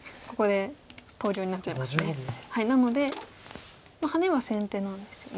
なのでハネは先手なんですよね。